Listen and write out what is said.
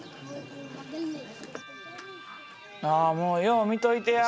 あもうよう見といてや！